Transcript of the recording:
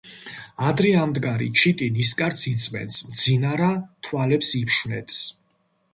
ადრე ამდგარი ჩიტი ნისკარტს იწმენდს, მძინარა - თვალებს იფშვნეტს